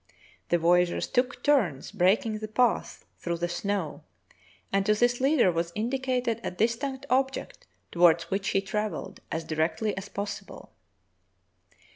The voyageurs took turns breaking the path through the snow, and to this leader was indicated a distant object toward which he travelled as directly as possible.